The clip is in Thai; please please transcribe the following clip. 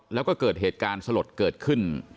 แล้วก็เกิดเหตุการณ์สลดเกิดขึ้น